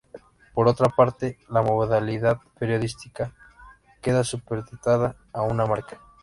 Por otra parte, la modalidad periodística queda supeditada a una marca.